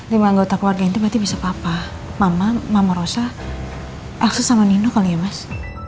lima anggota keluarga itu berarti bisa papa mama mama rosa akses sama nino kali ya mas